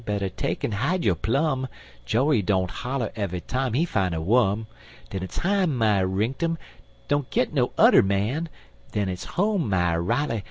better take'n hide yo' plum; Joree don't holler eve'y time he fine a wum. Den it's hi my rinktum! Don't git no udder man; En it's ho my Riley!